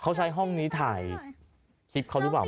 เขาใช้ห้องนี้ถ่ายคลิปเขาหรือเปล่า